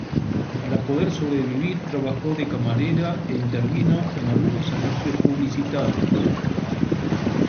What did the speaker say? Para poder sobrevivir trabajó de camarera e intervino en algunos anuncios publicitarios.